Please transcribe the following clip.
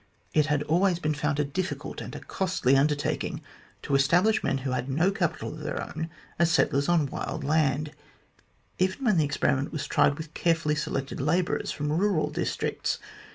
It had always been found a difficult and a costly undertaking to establish men who had no capital of their own as settlers on wild land, even when the experiment was tried with carefully selected labourers from rural districts.